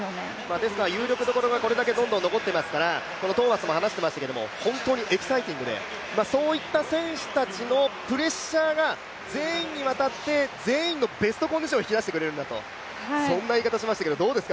ですから有力どころがこれだけどんどん残ってますからこのトーマスも話していましたけれども本当にエキサイティングで、そういった選手たちのプレッシャーが全員に渡って全員のベストコンディションを引き出してくれるんだという言い方をしていましたけど。